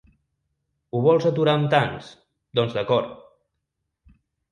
Ho vols aturar amb tancs, doncs d’acord!